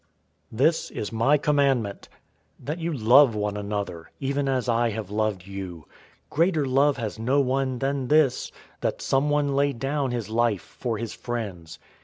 015:012 "This is my commandment, that you love one another, even as I have loved you. 015:013 Greater love has no one than this, that someone lay down his life for his friends.